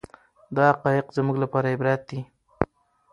دا حقایق زموږ لپاره عبرت دي.